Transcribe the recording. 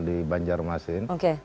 di banjarmasin oke